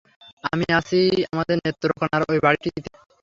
আমি আছি আমাদের নেত্রকোণার ঐ বাড়িটিতে।